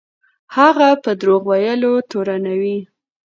هغه په دروغ ویلو تورنوي.